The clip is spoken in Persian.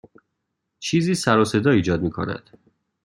چیزی سر و صدا ایجاد می کند.